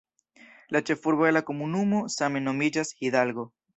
La ĉefurbo de la komunumo same nomiĝas "Hidalgo".